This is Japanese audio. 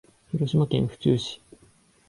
広島県府中市